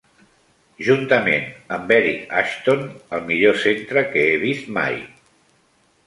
Juntament amb Eric Ashton, el millor centre que he vist mai.